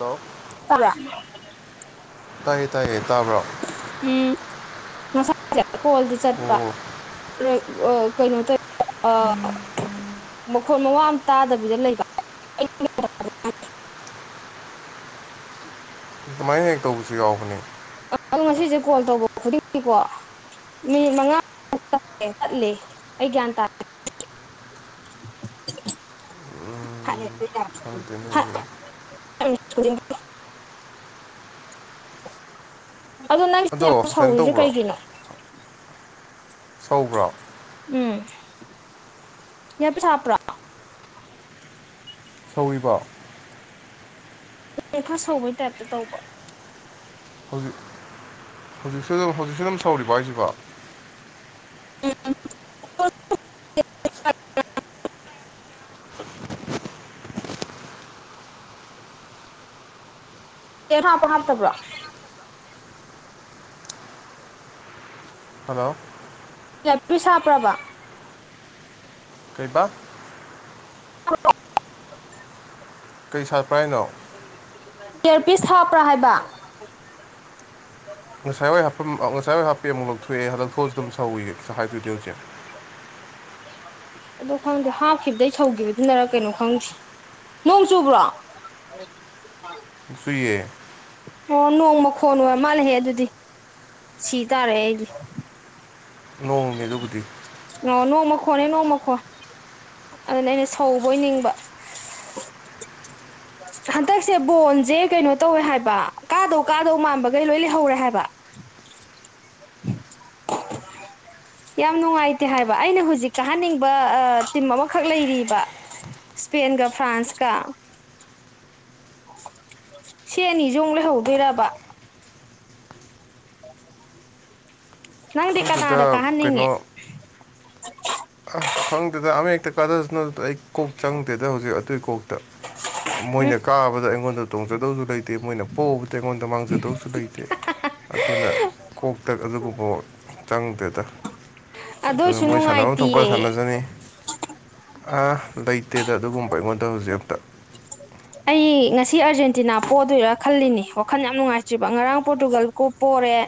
hello ꯇꯥꯕ꯭ꯔꯥ ꯇꯥꯏꯌꯦ ꯇꯥꯏꯌꯦ ꯇꯥꯕ꯭ꯔꯣ ꯎꯝ ꯉꯁꯥꯏꯁꯦ ꯀꯣꯜꯗꯤ ꯆꯠꯄ ꯑꯣ [unintelligible] ꯀꯩꯅꯣ ꯇꯧ ꯑ [unintelligible] ꯃ ꯈꯣꯟ ꯃꯋꯥ ꯑꯃ ꯇꯥꯗꯕꯤꯗ ꯂꯩꯕ ꯑꯗꯨꯃꯥꯏꯅ ꯍꯦꯛ ꯇꯧꯕꯁꯨ ꯌꯥꯎꯕꯅꯦ ꯑꯗꯣ ꯉꯁꯤꯁꯦ ꯀꯣꯜ ꯇꯧꯕ ꯈꯨꯗꯤꯡꯒꯤꯀꯣ ꯃꯤꯅꯤꯠ ꯃꯉꯥ [unintelligible] ꯇꯠꯂꯦ ꯑꯩ ꯒ꯭ꯌꯥꯟ ꯇꯥ [unintelligible] [unintelligible] [unintelligible] ꯑꯗꯣ ꯅꯪꯒꯤꯁꯦ ꯌꯥꯝ ꯀꯩꯅꯣ ꯁꯧꯔꯤꯖꯦ ꯇꯧꯕ꯭ꯔꯣ ꯀꯩꯒꯤꯅꯣ ꯁꯧꯕ꯭ꯔꯣ ꯎꯝ ꯏꯌꯔꯄꯤꯁ ꯍꯥꯞꯄ꯭ꯔꯣ ꯁꯧꯔꯤꯕꯣ [unintelligible] ꯈꯔ ꯁꯧꯕꯩ ꯇꯥꯏꯞꯇ ꯇꯧꯕ ꯍꯧꯖꯤꯛ ꯍꯧꯖꯤꯛꯁꯨ ꯑꯗꯨꯝ ꯍꯧꯖꯤꯛꯁꯨ ꯑꯗꯨꯝ ꯁꯧꯔꯤꯕ ꯍꯥꯏꯁꯤꯕ ꯎꯝ [unintelligible] ꯀ ꯍꯥꯞꯄ ꯍꯥꯞꯇꯕ꯭ꯔꯣ ꯍꯜꯂꯣ ꯏꯌꯔ ꯄꯤꯁ ꯍꯥꯞꯄ꯭ꯔꯕ ꯀꯩ ꯍꯥꯏꯕ [unintelligible] ꯀꯩ ꯁꯥ ꯏꯌꯔ ꯄꯤꯁ ꯍꯥꯞꯄ꯭ꯔꯥ ꯍꯥꯏꯕ ꯉꯁꯥꯏ ꯋꯥꯏ ꯍꯥꯄꯐꯝ ꯉꯥꯁꯥꯏꯋꯥꯏ ꯍꯥꯞꯄꯤ ꯑꯃꯨꯛ ꯂꯧꯊꯣꯛꯑꯦ ꯊꯣꯛꯑꯁꯨ ꯑꯗꯨꯝ ꯁꯧꯋꯦ ꯍꯥꯏꯗꯨꯗꯤ ꯍꯧꯖꯤ ꯑ ꯈꯪꯗꯦ ꯍꯥꯞꯈꯤꯕꯗꯩ ꯁꯧꯒꯤꯕꯗꯨꯅꯔꯛ ꯀꯩꯅꯣ ꯈꯪꯗꯦ ꯅꯣꯡ ꯆꯨꯕ꯭ꯔꯣ ꯁꯨꯏꯌꯦ ꯑꯣ ꯅꯣꯡꯃ ꯈꯣꯟ ꯑꯣꯏ ꯃꯥꯜꯂꯦꯍꯦ ꯑꯗꯨꯗꯤ ꯁꯤ ꯇꯥꯔꯦ ꯑꯩꯗꯤ ꯅꯣꯡꯅꯦ ꯑꯗꯨꯕꯗꯤ ꯍꯣꯟꯅꯦ ꯅꯣꯡ ꯃꯈꯣꯟ ꯑꯗꯨꯅ ꯑꯩꯅ ꯁꯧꯕꯣꯏ ꯅꯤꯡꯕ ꯍꯟꯗꯛꯁꯦ ꯕꯣꯟꯁꯦ ꯀꯩꯅꯣ ꯇꯧꯋꯦ ꯍꯥꯏꯕ ꯀꯥꯗꯧ ꯀꯥꯗꯧ ꯃꯥꯟꯕꯈꯩ ꯂꯣꯏ ꯂꯩꯍꯧꯔꯦ ꯍꯥꯏꯕ [inaudible] ꯌꯥꯝ ꯅꯨꯡꯉꯥꯏꯇꯦ ꯍꯥꯏꯕ ꯑꯩꯅ ꯍꯧꯖꯤꯛ ꯀꯥꯍꯟꯅꯤꯡꯕ ꯇꯤꯝ ꯑꯃꯈꯛ ꯂꯩꯔꯤꯕ ꯏꯁꯄꯦꯟ ꯀ ꯐ꯭ꯔꯥꯟꯁ ꯀ ꯁꯤ ꯑꯅꯤꯁꯤ ꯃꯨꯛ ꯂꯩꯍꯧꯗꯣꯏꯔꯕ ꯅꯪꯗꯤ ꯈꯪꯗꯦꯗ ꯀꯅꯥꯗ ꯀꯥꯍꯟꯅꯤꯡꯉꯦ ꯑ ꯈꯪꯗꯦꯗ ꯑꯃ ꯍꯦꯛꯇ ꯀꯥꯖꯁꯅꯨꯗ ꯑ ꯑꯩ ꯀꯣꯛ ꯆꯪꯗꯦꯗ ꯍꯧꯖꯤꯛ ꯑꯗꯨꯏ ꯀꯣꯛꯇ ꯎꯝ ꯃꯣꯏꯅ ꯀꯥꯕꯗ ꯑꯩꯉꯣꯟꯗ ꯇꯣꯡꯖꯗꯧꯁꯨ ꯂꯩꯇꯦ ꯠꯇꯦ ꯃꯣꯏꯅ ꯄꯣꯕꯗ ꯑꯩꯉꯣꯟꯗ ꯃꯥꯡꯖꯗꯧꯁꯨ ꯂꯩꯇꯦ ꯑꯗꯨꯅ ꯀꯣꯛꯇ ꯑꯗꯨꯒꯨꯝꯕ ꯆꯪꯗꯦꯗ ꯑꯗꯨꯅ ꯑꯗꯨꯏꯁꯨ ꯃꯣꯏ ꯁꯥꯟꯅꯐꯝ ꯊꯣꯛꯄ ꯅꯨꯡꯉꯥꯏꯇꯦꯌꯦ ꯁꯥꯟꯅꯖꯅꯤ ꯑ ꯂꯩꯇꯦꯗ ꯑꯗꯨꯒꯨꯝꯕ ꯑꯩꯉꯣꯟꯗ ꯍꯧꯖꯤꯛ ꯑꯝꯇ ꯑꯩ ꯉꯁꯤ ꯑꯥꯔꯖꯦꯟꯇꯤꯅꯥ ꯄꯣꯗꯣꯏꯔꯥ ꯈꯜꯂꯤꯅꯦ ꯋꯥꯈꯜ ꯌꯥꯝ ꯅꯨꯡꯉꯥꯏꯇ꯭ꯔꯤꯕ ꯉꯔꯥꯡ ꯄꯣꯔꯇꯨꯒꯜ ꯀꯣ ꯄꯣ ꯄꯣꯔꯦ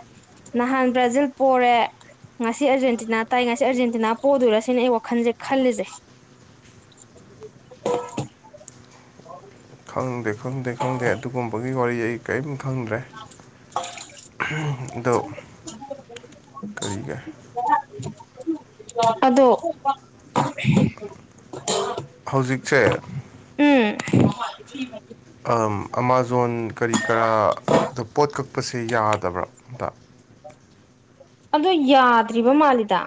ꯅꯍꯥꯟ ꯕ꯭ꯔꯥꯖꯤꯜ ꯄꯣꯔꯦ ꯉꯁꯤ ꯑꯔꯖꯦꯟꯇꯤꯅꯥ ꯇꯥꯏ ꯉꯁꯤ ꯑꯔꯖꯦꯟꯇꯤꯅꯥ ꯄꯣꯗꯣꯏꯔꯁꯤꯅ ꯑꯩ ꯋꯥꯈꯟꯖꯦ ꯈꯜꯂꯤꯁꯦ ꯪꯪꯈꯪꯗꯦ ꯈꯪꯗꯦ ꯈꯪꯗꯦ ꯑꯗꯨꯒꯨꯝꯕꯒꯤ ꯋꯥꯔꯤ ꯑꯩ ꯀꯔꯤꯝ ꯈꯪꯗ꯭ꯔꯦ ꯑꯗꯣ ꯀꯔꯤꯒꯦ ꯑꯗꯣ ꯍꯧꯖꯤꯛꯁꯦ [inaudible] ꯑꯃꯥꯥꯖꯣꯟ ꯀꯔꯤ ꯀꯔꯥ ꯑꯗ ꯄꯣꯠ ꯀꯛꯄꯁꯦ ꯌꯥꯗꯕ꯭ꯔꯥ ꯑꯝꯇ ꯑꯗꯣ ꯌꯥꯗ꯭ꯔꯤꯕ ꯃꯥꯜꯂꯤꯗ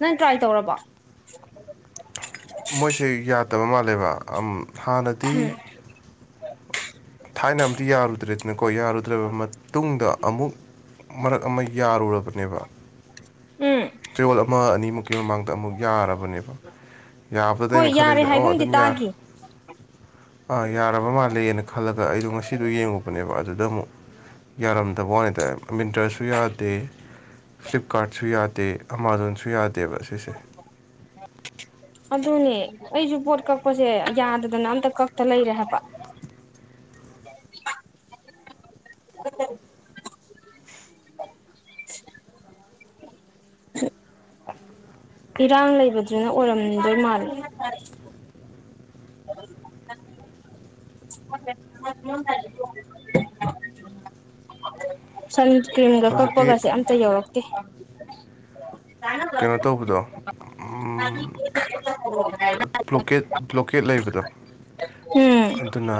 ꯅꯪ ꯇ꯭ꯔꯥꯏ ꯇꯧꯔꯕꯣ ꯃꯣꯏꯁꯦ ꯌꯥꯗꯕ ꯃꯥꯜꯂꯦꯕ ꯑꯝ ꯍꯥꯟꯅꯗꯤ ꯊꯥꯏꯅ ꯑꯃꯗꯤ ꯌꯥꯔꯨꯗ꯭ꯔꯦꯗꯅꯀꯣ ꯌꯥꯔꯨꯗ꯭ꯔꯕ ꯃꯇꯨꯡꯗ ꯑꯃꯨꯛ ꯃꯔꯛ ꯑꯃ ꯌꯥꯔꯨꯔꯕꯅꯦꯕ ꯎꯝ ꯆꯌꯣꯜ ꯑꯃ ꯑꯅꯤꯃꯨꯛꯀꯤ ꯃꯃꯥꯡꯗ ꯑꯃꯨꯛ ꯌꯥꯔꯕꯅꯦꯕ ꯌꯥꯕꯗꯩ ꯍꯣꯏ ꯛꯩꯅ ꯌꯥꯔꯦ ꯈꯜꯂꯤꯁꯤꯅꯦ ꯑꯣ ꯍꯥꯏꯒꯨꯝꯗꯤ ꯑꯗꯨꯝ ꯌꯥꯔ ꯇꯥꯈꯤ ꯑꯥ ꯌꯥꯔꯕ ꯃꯥꯜꯂꯦꯅ ꯈꯜꯂꯒ ꯑꯩꯗꯣ ꯉꯁꯤꯗꯣ ꯌꯦꯡꯉꯨꯄꯅꯦꯕ ꯑꯗꯨꯗ ꯑꯃꯨꯛ ꯌꯥꯔꯝꯗꯕ ꯋꯥꯅꯤꯗ ꯃꯤꯟꯇ꯭ꯔꯁꯨ ꯌꯥꯗꯦ ꯐ꯭ꯂꯤꯞꯀꯥꯔꯠꯁꯨ ꯌꯥꯗꯦ ꯑꯥꯃꯥꯖꯣꯟꯁꯨ ꯌꯥꯗꯦꯕ ꯁꯤꯁꯦ ꯑꯣ ꯑꯗꯨꯅꯦ ꯑꯩꯁꯨ ꯄꯣꯠ ꯀꯛꯄꯁꯦ ꯌꯥꯗꯗꯅ ꯑꯝꯇ ꯀꯛꯇ ꯂꯩꯔꯦ ꯍꯥꯏꯕ [inaudible] ꯑꯣ [unintelligible] ꯏꯔꯥꯡ ꯂꯩꯕꯗꯨꯅ ꯑꯣꯏꯔꯝꯗꯣꯏ ꯃꯥꯜꯂꯦ [inaudible] ꯆ [unintelligible] ꯀ꯭ꯔꯤꯝꯒ ꯍꯧꯖꯤꯛꯀꯤ ꯀꯛꯄꯒꯁꯦ ꯑꯝꯇ ꯌꯧꯔꯛꯇꯦ [unintelligible] ꯇꯧꯕꯗ [unintelligible] ꯕ꯭ꯂꯣꯀꯦꯠ ꯕ꯭ꯂꯣꯀꯦꯠ ꯂꯩꯕꯗꯣ ꯎꯝ ꯑꯗꯨꯅ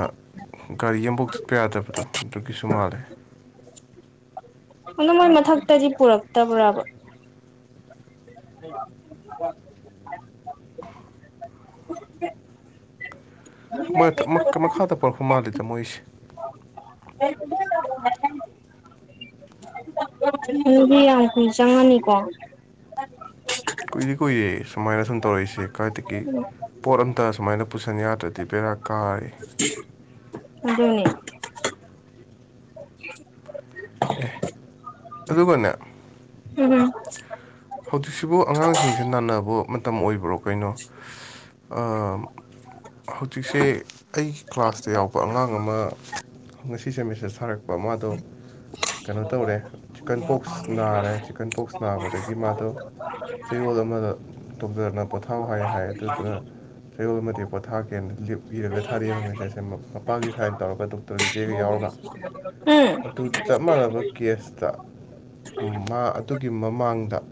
ꯒꯥꯔꯤ ꯑꯝꯕꯧ ꯆꯠꯄ ꯌꯥꯗꯕꯗꯣ ꯑꯗꯨꯒꯤꯁꯨ ꯃꯥꯜꯂꯦ ꯑꯗꯨ ꯃꯣꯏ ꯃꯊꯛꯇꯗꯤ ꯄꯨꯔꯛꯇꯕ꯭ꯔꯥꯕ ꯎꯝ [unintelligible] [inaudible] [unintelligible] ꯃꯈꯥꯗ ꯄꯨꯔꯛꯄ ꯃꯥꯜꯂꯤꯗ ꯃꯣꯏꯁꯦ [unintelligible] ꯑꯗꯨꯗꯤ ꯌꯥꯝ ꯀꯨꯏ ꯆꯪꯉꯅꯤꯀꯣ ꯇꯧꯔꯛꯏꯁꯤ ꯀꯥꯏꯗꯒꯤ ꯄꯣꯠ ꯑꯞꯇ ꯁꯨꯃꯥꯏꯅ ꯄꯨꯁꯜ ꯅꯤꯌꯥꯗ꯭ꯔꯗꯤ ꯕꯦꯔꯥ ꯀꯥꯔꯦ ꯑꯗꯨꯅꯤ ꯑꯦ ꯑꯗꯨꯒꯅꯦ ꯎꯝ ꯍꯧꯖꯤꯛꯁꯤꯕꯨ ꯑꯉꯥꯡꯁꯤꯡꯁꯦ ꯅꯥꯅꯕ ꯃꯇꯝ ꯑꯣꯏꯕ꯭ꯔꯣ ꯀꯩꯅꯣ ꯑꯝ ꯍꯧꯖꯤꯛꯁꯦ ꯑꯩꯒꯤ ꯀ꯭ꯂꯥꯁꯇ ꯌꯥꯎꯕ ꯑꯉꯥꯡ ꯑꯃ ꯉꯁꯤꯁꯦ ꯃꯦꯁꯦꯁ ꯊꯥꯔꯛꯄ ꯃꯥꯗꯣ ꯀꯩꯅꯣ ꯇꯧꯔꯦ ꯆꯤꯛꯀꯟ ꯄꯣꯛꯁ ꯅꯥꯔꯦ ꯆꯤꯛꯀꯟ ꯄꯣꯛꯁ ꯅꯥꯕꯗꯒꯤ ꯒꯤ ꯃꯥꯗꯣ ꯆꯌꯣꯜ ꯑꯃꯗ ꯗꯣꯛꯇꯔꯅ ꯄꯣꯊꯥꯎ ꯍꯥꯏ ꯍꯥꯏꯌꯦ ꯑꯗꯨꯗꯨꯅ ꯆꯌꯣꯜ ꯑꯃꯗꯤ ꯄꯣꯊꯥꯒꯅ ꯂꯤꯞ ꯏꯔꯒ ꯊꯥꯔꯛꯏꯕ ꯃꯦꯁꯦꯖꯁꯦ ꯃꯄꯥꯒꯤ ꯁꯥꯏꯟ ꯇꯧꯔꯒ ꯗꯣꯛꯇꯔꯒꯤ ꯆꯦꯒ ꯌꯥꯎꯔꯒ ꯎꯝ ꯑꯗꯨ ꯆꯞ ꯃꯥꯟꯅꯕ ꯀꯦꯁꯇ ꯎꯝ ꯃꯥ ꯑꯗꯨꯒꯤ ꯃꯃꯥꯡꯗ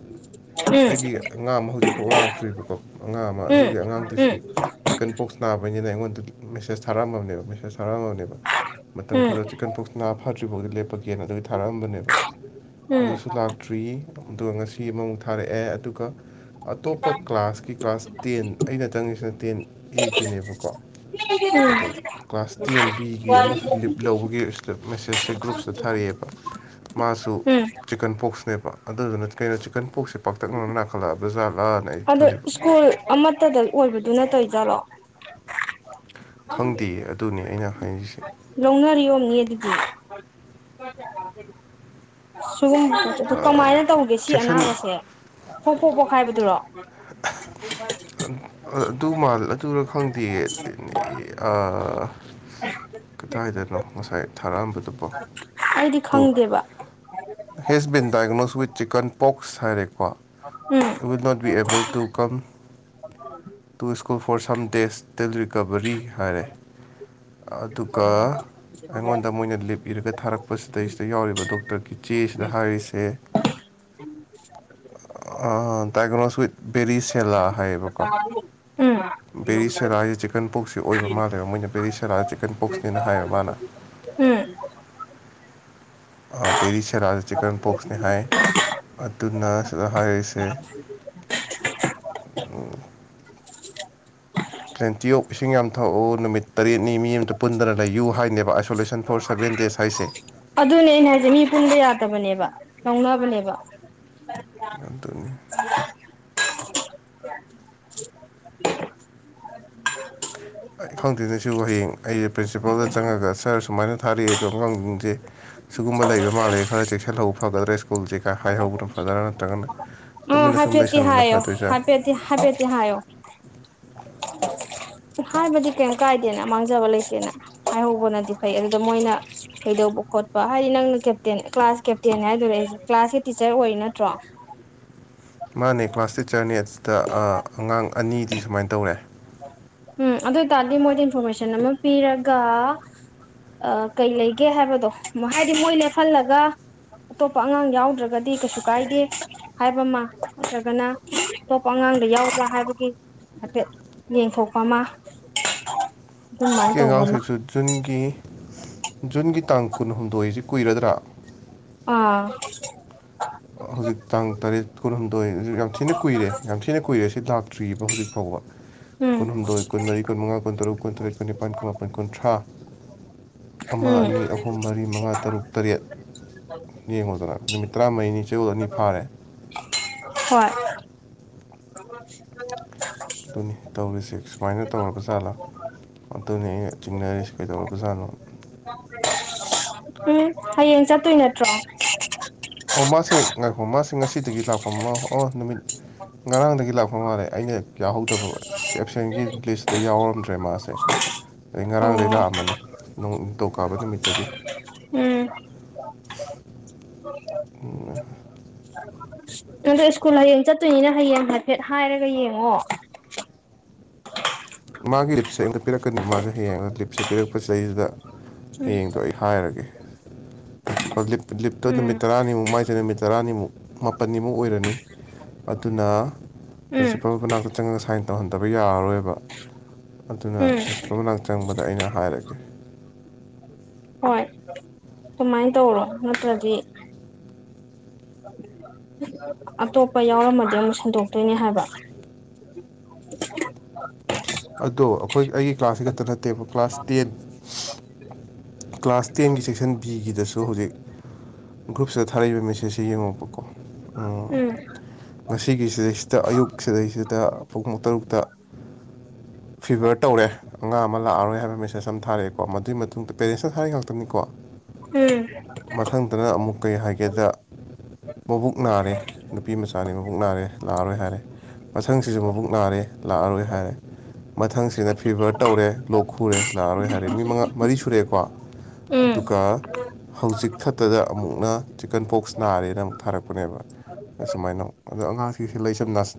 ꯎꯝ ꯑꯩꯒꯤ ꯑꯉꯥꯡ ꯑꯃ ꯍꯧꯖꯤꯛꯐꯥꯎ ꯂꯥꯛꯇ꯭ꯔꯤꯕꯀꯣ ꯑꯉꯥꯡ ꯑꯃ ꯎꯝ ꯑꯗꯨꯒꯤ ꯑꯉꯥꯡꯗꯨꯁꯨ ꯆꯤꯀꯟ ꯄꯣꯛꯁ ꯅꯥꯕꯩꯅꯤꯅꯦ ꯑꯩꯉꯣꯟ ꯃꯦꯁꯦꯁ ꯊꯥꯔꯛꯝꯃꯕꯅꯦꯕ ꯃꯦꯁꯦꯖ ꯊꯥꯔꯛꯝꯃꯕꯅꯦꯕ ꯃꯇꯝ ꯎꯝ ꯈꯔ ꯆꯤꯛꯀꯟ ꯄꯣꯛꯁ ꯅꯥ ꯐꯗ꯭ꯔꯤꯐꯥꯎꯗꯤ ꯂꯦꯞꯄꯒꯦ ꯇꯤꯀꯦꯟ ꯑꯗꯨꯒꯤ ꯊꯥꯔꯛꯑꯝꯕꯅꯦꯕ ꯎꯝ ꯎꯝ ꯑꯗꯨꯁꯨ ꯂꯥꯛꯇ꯭ꯔꯤ ꯑꯗꯨꯒ ꯉꯁꯤ ꯒꯤ ꯑꯃꯃꯨꯛ ꯊꯥꯔꯛꯑꯦ ꯑꯗꯨꯒ ꯑꯇꯣꯞꯄ ꯀ꯭ꯂꯥꯁꯀꯤ ꯀ꯭ꯂꯥꯁ ꯇꯦꯟ ꯑꯩꯅ ꯆꯪꯉꯤꯁꯤꯅ ꯇꯦꯟ ꯑꯦꯒꯤꯅꯦꯕꯀꯣ ꯎꯝ ꯑꯗꯣ ꯀ꯭ꯂꯥꯁ ꯇꯦꯟ ꯕꯤꯒꯤ ꯑꯃꯁꯨ ꯂꯤꯞ ꯂꯧꯕꯒꯤꯗ ꯃꯦꯁꯦꯁꯁꯦ ꯒ꯭ꯔꯨꯞꯁꯤꯗ ꯊꯥꯔꯛꯑꯦ ꯑꯦꯕ ꯃꯥꯁꯨ ꯎꯝ ꯆꯤꯀꯟ ꯄꯣꯛꯁꯅꯦꯕ ꯑꯗꯨꯗꯨꯅ ꯀꯩꯅꯣ ꯆꯤꯛꯀꯟ ꯄꯣꯛꯁ ꯄꯥꯛꯇꯛꯅꯅ ꯅꯥꯈꯠꯂꯛꯑꯕꯖꯥꯠ ꯑꯗꯣ ꯁ꯭ꯀꯨꯜ ꯑꯃꯠꯇꯗ ꯑꯣꯏꯕꯗꯨ ꯇꯧꯋꯤꯖꯥꯠꯂꯣ ꯈꯪꯗꯦ ꯑꯗꯨꯅꯤ ꯑꯩꯅ ꯍꯥꯏꯔꯤꯁꯦ ꯂꯧꯅꯔꯤ ꯑꯣꯏꯔꯝꯅꯤ ꯗꯨꯘꯤ ꯎꯝ ꯁꯤꯒꯨꯝꯕ ꯀꯃꯥꯏꯅ ꯇꯧꯒꯦ ꯁꯤ ꯁꯦꯛꯁꯟ ꯑꯅꯥꯕꯁꯦ ꯐꯣꯛ ꯐꯣꯛꯄꯣꯛ ꯈꯥꯏꯕꯗꯨꯔꯣ ꯑꯗꯨ ꯃꯥꯜ ꯑꯗꯨꯔ ꯈꯪꯗꯦ ꯑꯥ ꯀꯗꯥꯏꯗꯅꯣ ꯉꯁꯥꯏ ꯊꯥꯔꯛꯑꯝꯕꯗꯨꯕꯣ ꯑꯩꯗꯤ ꯑꯗꯨ ꯈꯪꯗꯦꯕ has been diagnosed with chicken pox ꯍꯥꯏꯔꯦ ꯀꯣ um will not be able to come to school for some days till recovery ꯍꯥꯏꯔꯦ ꯑꯗꯨꯒ ꯑꯩꯉꯣꯟꯗ ꯃꯣꯏꯅ ꯂꯤꯞ ꯏꯔꯒ ꯊꯥꯔꯛꯄꯁꯤꯗꯩꯁꯤꯗ ꯌꯥꯎꯔꯤꯕ ꯗꯣꯛꯇꯔ ꯀꯤ ꯆꯦꯁꯤꯗ ꯍꯥꯏꯔꯤꯁꯦ ꯑꯥ ꯗꯥꯏꯒꯣ꯭ꯅꯁ ꯋꯤꯠ ꯕꯦꯔꯤ ꯁꯦꯂꯥ ꯍꯥꯏꯌꯦꯕꯀꯣ ꯎꯝ ꯕꯦꯔꯤ ꯁꯦꯂꯥꯥ ꯍꯥꯏꯁꯦ ꯆꯤꯛꯀꯟ ꯄꯣꯛꯁꯤ ꯑꯣꯏꯕ ꯃꯥꯜꯂꯦꯕ ꯃꯣꯏꯅ ꯕꯦꯔꯤ ꯁꯦꯂꯥꯁꯤ ꯎꯝ ꯑꯥ ꯕꯦꯔꯤ ꯁꯦꯔꯥ ꯖꯤ ꯆꯤꯛꯀꯟ ꯄꯣꯛꯣꯛꯁꯅꯦ ꯍꯥꯏ ꯑꯗꯨꯅ ꯁꯤꯗꯥ ꯍꯥꯏꯔꯤꯁꯦ [inaudible] ꯇꯦꯟꯇꯤꯌꯣꯛ ꯏꯁꯤꯡ ꯌꯥꯝꯊꯣꯛꯎ ꯅꯨꯃꯤꯠ ꯇꯔꯦꯠꯅꯤ ꯃꯤ ꯑꯃꯗ ꯄꯨꯟꯗꯅ ꯂꯩꯌꯨ ꯍꯥꯏꯅꯦꯕ ꯑꯥꯏꯁꯣꯂꯦꯁꯟ ꯐꯣꯔ ꯁꯕꯦꯟ ꯗꯦꯖ ꯍꯥꯏꯁꯦ ꯑꯗꯨꯅꯦ ꯑꯩꯅ ꯍꯥꯏꯁꯦ ꯃꯤ ꯄꯨꯟꯕ ꯌꯥꯗꯕꯅꯦꯕ ꯂꯧꯅꯕꯅꯦꯕ ꯑꯗꯨ ꯑꯗꯨꯅꯤ ꯑꯩ ꯈꯪꯗꯦꯅꯦ ꯁꯤꯕꯨ ꯍꯌꯦꯡ ꯑꯩꯁꯦ ꯄ꯭ꯔꯤꯟꯁꯤꯄꯥꯜꯗ ꯆꯪꯉꯒ ꯁꯥꯔ ꯁꯨꯃꯥꯏꯅ ꯊꯥꯔꯛꯑꯦ ꯑꯗꯣ ꯑꯉꯥꯡꯁꯦ ꯁꯤꯒꯨꯝꯕ ꯂꯩꯕ ꯃꯥꯜꯂꯦ ꯈꯔ ꯆꯦꯛꯁꯤꯜꯍꯧꯕ ꯐꯒꯗ꯭ꯔꯥ ꯁ꯭ꯀꯨꯜꯁꯦ ꯍꯥꯏꯍꯧꯕꯅ ꯐꯗ꯭ꯔꯥ ꯅꯠꯇ꯭ꯔꯒꯅ ꯇꯨꯃꯤꯟꯅ ꯁꯨꯝ ꯍꯥꯐꯦꯠꯇꯤ ꯂꯩꯁꯟꯕꯅ ꯍꯥꯏꯌꯣ ꯐꯗꯣꯏꯖꯥꯠꯂ ꯍꯥꯐꯦꯠ ꯍꯥꯐꯤꯠꯇꯤ ꯍꯥꯏꯌꯣ [inaudible] ꯍꯥꯏꯕꯗꯤ ꯀꯩꯝ ꯀꯥꯏꯗꯦꯅ ꯃꯥꯡꯖꯕ ꯂꯩꯇꯦꯅ ꯍꯥꯏꯍꯧꯕꯅꯗꯤ ꯐꯩ ꯑꯗꯨꯗ ꯃꯣꯏꯅ ꯀꯩꯗꯧꯕ ꯈꯣꯠꯄ ꯍꯥꯏꯗꯤ ꯅꯪꯅ ꯀꯦꯞꯇꯦꯟ ꯀ꯭ꯂꯥꯁ ꯀꯦꯞꯇꯦꯟ ꯍꯥꯏꯗꯧꯔꯦ ꯑꯩꯁꯦ ꯀ꯭ꯂꯥꯁꯀꯤ ꯇꯤꯆꯔ ꯑꯣꯏꯔꯤ ꯅꯠꯇ꯭ꯔꯣ [inaudible] ꯃꯥꯅꯦ ꯀ꯭ꯂꯥꯁ ꯇꯤꯆꯔꯅꯦ ꯁꯤꯗ ꯑꯉꯥꯡ ꯑꯅꯤꯗꯤ ꯁꯨꯃꯥꯏꯅ ꯇꯧꯔꯦ ꯎꯝ ꯑꯗꯨ ꯑꯣꯏ ꯇꯔꯗꯤ ꯃꯣꯏꯗ ꯏꯟꯐꯣꯔꯃꯦꯁꯟ ꯑꯃ ꯄꯤꯔꯒ ꯑ ꯥ ꯀꯩ ꯂꯩꯒꯦ ꯍꯥꯏꯕꯗꯣ ꯍꯥꯏꯗꯤ ꯃꯣꯏ ꯂꯦꯞꯍꯜꯂꯒ ꯑꯇꯣꯞꯄ ꯑꯉꯥꯡ ꯌꯥꯎꯗ꯭ꯔꯒꯗꯤ ꯀꯩꯁꯨ ꯀꯥꯏꯗꯦ ꯍꯥꯏꯕ ꯑꯃ ꯅꯠꯇ꯭ꯔꯒꯅ ꯑꯇꯣꯞꯄ ꯑꯉꯥꯡ ꯑꯉꯥꯡꯗ ꯌꯥꯎꯕ꯭ꯔꯥ ꯍꯥꯏꯕꯒꯤ ꯍꯥꯏꯐꯦꯠ ꯌꯦꯡꯊꯣꯛꯄ ꯑꯃ ꯍꯧꯖꯤꯛ ꯑꯗꯨꯃꯥꯏꯅ ꯇꯧꯕ ꯑꯃ ꯑꯉꯥꯡꯁꯤꯁꯨ ꯖꯨꯟꯒꯤ ꯖꯨꯟꯒꯤ ꯇꯥꯡ ꯀꯨꯟꯍꯨꯝꯗꯣꯏꯁꯤ ꯀꯨꯏꯔꯗ꯭ꯔꯥ ꯑꯥ ꯍꯧꯖꯤꯛ ꯇꯥꯡ ꯇꯔꯦꯠ ꯀꯨꯟꯍꯨꯝꯗꯣꯏ ꯌꯥꯝ ꯊꯤꯅ ꯀꯨꯏꯔꯦ ꯌꯥꯝ ꯊꯤꯅ ꯀꯨꯏꯔꯦ ꯁꯤ ꯂꯥꯛꯇ꯭ꯔꯤ ꯇ꯭ꯔꯤꯕ ꯍꯧꯖꯤꯛ ꯐꯥꯎꯕ ꯎꯝ ꯀꯨꯟꯍꯨꯝꯗꯣꯏ ꯀꯨꯟ ꯃꯔꯤ ꯀꯨꯟꯃꯉꯥ ꯀꯨꯟ ꯇꯔꯨꯛ ꯀꯨꯟ ꯇꯔꯨꯠ ꯀꯨꯟꯅꯤꯄꯥꯟ ꯀꯨꯟ ꯃꯥꯄꯟ ꯀꯨꯊ꯭ꯔꯥ ꯑꯃ ꯎꯝ ꯑꯅꯤ ꯑꯍꯨꯝ ꯃꯔꯤ ꯃꯉꯥ ꯇꯔꯨꯛ ꯇꯔꯦꯠ ꯌꯦꯡꯉꯨꯗꯅ ꯅꯨꯃꯤꯠ ꯇꯔꯥꯃꯔꯤꯅꯤ ꯆꯌꯣꯜ ꯑꯅꯤ ꯐꯥꯔꯦ ꯑꯉꯥꯡ ꯁꯦ ꯑꯗꯨꯅꯤ ꯇꯧꯔꯤꯁꯦ ꯁꯨꯃꯥꯏꯅ ꯇꯧꯔꯕ ꯖꯥꯠꯂꯥ ꯑꯗꯨꯅꯤ ꯑꯩꯅ ꯆꯤꯡꯅꯔꯤꯁꯤ ꯀꯩꯗꯧꯔꯕ ꯖꯥꯠꯅꯣꯅ [inaudible] ꯎꯝ ꯍꯌꯦꯡ ꯆꯠꯇꯣꯏ ꯅꯠꯇ꯭ꯔꯣ ꯑꯣ ꯃꯥꯁꯦ ꯉꯥꯏꯈꯣ ꯃꯥꯁꯦ ꯉꯁꯤꯗꯒꯤ ꯂꯥꯛꯄ ꯃꯥ ꯑꯣ ꯅꯨꯃꯤꯠ ꯉꯔꯥꯡꯗꯒꯤ ꯂꯥꯛꯄ ꯃꯥꯜꯂꯦ ꯑꯩꯅ ꯌꯥꯎꯍꯧꯗꯕ ꯑꯦꯞꯁꯦꯟꯒꯤ ꯂꯤꯁꯇ ꯌꯥꯎꯔꯝꯗ꯭ꯔꯦ ꯃꯥꯁꯦ ꯑꯩ ꯉꯔꯥꯡꯗꯒꯩ ꯑꯣ ꯂꯥꯛꯑꯝꯃꯅꯤ ꯅꯣꯡ ꯅꯤꯡꯊꯧꯀꯥꯕ ꯅꯨꯃꯤꯠꯇꯒꯤ [inaudible] [unintelligible] ꯅꯪꯗꯣ ꯁ꯭ꯀꯨꯜ ꯍꯌꯦꯡ ꯆꯠꯇꯣꯏꯅꯤꯅ ꯍꯌꯦꯡ ꯍꯥꯏꯐꯦꯠ ꯍꯥꯏꯔꯒ ꯌꯦꯡꯉꯣ ꯃꯥꯒꯤ ꯂꯤꯞꯁꯦ ꯑꯩꯉꯣꯟꯗ ꯄꯤꯔꯛꯀꯅꯤꯕ ꯃꯥꯁꯦ ꯍꯌꯦꯡ ꯂꯤꯞꯁꯦ ꯄꯤꯔꯛꯄꯁꯤꯗꯩꯁꯤꯗ ꯎꯝ ꯍꯌꯦꯡꯗꯣ ꯑꯩ ꯍꯥꯏꯔꯒꯦ ꯄ꯭ꯔꯤꯟꯁꯤꯄꯥꯜ ꯂꯤꯞ ꯂꯤꯞꯇ ꯎꯝ ꯅꯨꯃꯤꯠ ꯇꯔꯥꯅꯤꯃꯨꯛ ꯃꯥꯏꯁꯦ ꯅꯨꯃꯤꯠ ꯇꯔꯥꯅꯤꯃꯨꯛ ꯃꯥ ꯄꯟꯅꯤꯃꯨꯛ ꯑꯣꯏꯔꯅꯤ ꯑꯗꯨꯅ ꯎꯝ ꯄ꯭ꯔꯤꯟꯁꯤꯄꯥꯜ ꯃꯅꯥꯛꯇ ꯆꯪꯉꯒ ꯁꯥꯏꯟ ꯇꯧꯍꯟꯗꯕ ꯌꯥꯔꯔꯣꯏꯕ ꯑꯗꯨꯅ ꯎꯝ ꯄ꯭ꯔꯤꯟꯁꯤꯄꯥꯜ ꯃꯅꯥꯛ ꯆꯪꯕꯗ ꯑꯩꯅ ꯍꯥꯏꯔꯒꯦ ꯍꯣꯏ ꯑꯗꯨꯃꯥꯏꯅ ꯇꯧꯔꯣ ꯅꯠꯇ꯭ꯔꯗꯤ ꯑꯇꯣꯞꯄ ꯌꯥꯎꯔꯝꯃꯗꯤ ꯑꯃꯨꯛ ꯁꯤꯟꯗꯣꯛꯇꯣꯏꯅꯦ ꯍꯥꯏꯕ [inaudible] ꯑꯗꯣ ꯑꯩꯈꯣꯏ ꯑꯩꯒꯤ ꯀ꯭ꯂꯥꯁꯁꯤ ꯈꯛꯇ ꯅꯠꯇꯦꯕ ꯀ꯭ꯂꯥꯁ ꯇꯦꯟ ꯀ꯭ꯂꯥꯁ ꯇꯦꯟꯒꯤ ꯁꯦꯛꯁꯟ ꯕꯤꯒꯤꯗꯁꯨ ꯍꯧꯖꯤꯛ ꯒ꯭ꯔꯨꯞꯁꯤꯗ ꯊꯥꯔꯛꯏꯕ ꯃꯦꯁꯦꯖꯁꯦ ꯌꯦꯡꯉꯣꯕꯀꯣ ꯎꯝ ꯉꯁꯤꯒꯤ ꯁꯤꯗꯩꯁꯤꯗ ꯑꯌꯨꯛ ꯁꯤꯗꯩꯁꯤꯗ ꯄꯨꯡ ꯇꯔꯨꯛꯇ ꯐꯤꯚꯔ ꯇꯧꯔꯦ ꯑꯉꯥꯡ ꯑꯃ ꯂꯥꯛꯑꯔꯣꯏ ꯍꯥꯏꯕ ꯃꯦ ꯁꯦꯁ ꯑꯃ ꯊꯥꯔꯛꯑꯦꯀꯣ ꯃꯗꯨꯒꯤ ꯃꯇꯨꯡꯗ ꯄꯦꯔꯦꯟꯁꯅ ꯊꯥꯔꯛꯏ ꯉꯥꯛꯇꯅꯤꯀꯣ ꯎꯝ ꯃꯊꯪꯗꯅ ꯑꯃꯨꯛ ꯀꯩ ꯍꯥꯏꯒꯦꯗ ꯃꯕꯨꯛ ꯅꯥꯔꯦ ꯅꯨꯄꯤ ꯃꯆꯥꯅꯤ ꯃꯕꯨꯛ ꯅꯥꯔꯦ ꯂꯥꯛꯑꯔꯣꯏ ꯍꯥꯏꯔꯦ ꯃꯊꯪꯁꯤꯁꯨ ꯃꯕꯨꯛ ꯅꯥꯔꯦ ꯂꯥꯛꯑꯔꯣꯏ ꯍꯥꯏꯔꯦ ꯃꯊꯪꯁꯤꯅ ꯐꯤꯚꯔ ꯇꯧꯔꯦ ꯂꯣꯛ ꯈꯨꯔꯦ ꯂꯥꯛꯑꯔꯣꯏ ꯍꯥꯏꯔꯦ ꯃꯤ ꯃꯉꯥ ꯃꯔꯤ ꯁꯨꯔꯛꯑꯦꯀꯣ ꯎꯝ ꯑꯗꯨꯒ ꯍꯧꯖꯤꯛ ꯈꯛꯇꯗ ꯑꯃꯨꯛꯅ ꯆꯤꯛꯀꯟ ꯄꯣꯛꯁ ꯅꯥꯔꯦꯅ ꯑꯃꯨꯛ ꯊꯥꯔꯛꯄꯅꯦꯕ ꯑꯁꯨꯃꯥꯏꯅ ꯑꯗꯣ ꯑꯉꯥꯡꯁꯤꯡꯁꯤ ꯂꯩ ꯁꯝꯅꯁ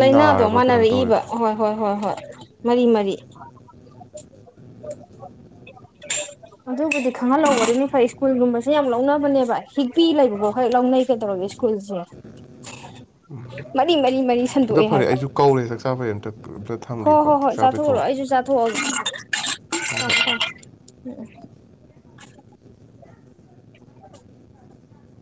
ꯂꯥꯏꯅꯥꯗꯣ ꯃꯥꯟꯅꯔꯛꯏꯕ ꯍꯣꯏ ꯍꯣꯏ ꯍꯣꯏ ꯍꯣꯏ ꯃꯔꯤ ꯃꯔꯤ ꯑꯗꯨꯕꯨꯗꯤ ꯈꯪꯍꯜꯍꯧꯕꯗꯨꯅ ꯐꯩ ꯁ꯭ꯀꯨꯜꯒꯨꯝꯕꯁꯦ ꯌꯥꯝ ꯂꯧꯅꯕꯅꯦꯕ ꯍꯤꯛꯄꯤ ꯂꯩꯕꯐꯥꯎ ꯍꯦꯛ ꯂꯧꯅꯩ ꯀꯩꯗꯧꯔꯒꯦ ꯁ꯭ꯀꯨꯜꯁꯦ ꯃꯔꯤ ꯃꯔꯤ ꯃꯔꯤ ꯑꯗꯣ ꯁꯟꯗꯣꯛꯑꯦ ꯐꯔꯦ ꯍꯥꯏꯕ ꯑꯩꯁꯨ ꯀꯧꯔꯦ ꯆꯥꯛ ꯆꯥꯕꯩ ꯑꯝꯇ ꯑꯝꯇ ꯍꯣꯏ ꯊꯝꯒꯦꯀꯣ ꯍꯣꯏ ꯆꯥꯛ ꯍꯣꯏ ꯆꯥꯕꯩ ꯆꯥꯊꯣꯛꯎꯔꯣ ꯀꯧꯔꯦ ꯑꯩꯁꯨ ꯆꯥꯊꯣꯛꯑꯒꯦ ꯍꯣꯏ ꯍꯣꯏ ꯊꯝꯃꯣ ꯊꯝꯃꯣ [inaudible]